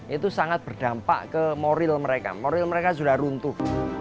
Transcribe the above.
itu sangat berdampak ke moral mereka moral mereka sudah runtuh